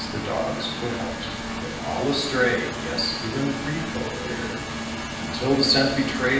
The dogs, put out, Were all astray: yes, even Brifaut erred, Until the scent betrayed.